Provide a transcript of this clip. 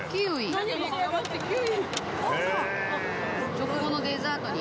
食後のデザートに。